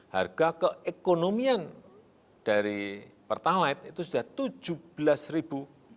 harga keekonomian dari pertalite itu sudah rp tujuh belas